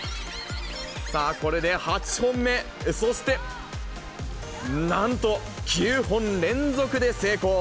さあ、これで８本目、そして、なんと９本連続で成功。